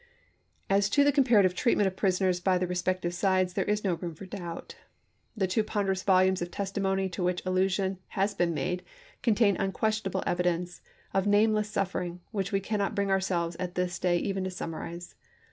As to the comparative treatment of prisoners by the respective sides there is no room for doubt. The two ponderous volumes of testimony to which allusion has been made contain unquestionable evidence of nameless suffering, which we cannot bring ourselves, at this day, even to summarize.